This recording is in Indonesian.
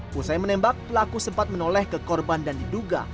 pusai menembak pelaku sempat menoleh ke korban dan diduga